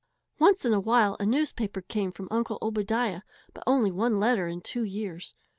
Once in a while a newspaper came from Uncle Obadiah, but only one letter in two years.